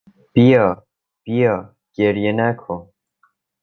بیا، بیا، گریه نکن!